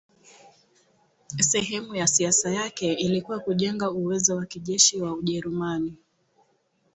Sehemu ya siasa yake ilikuwa kujenga uwezo wa kijeshi wa Ujerumani.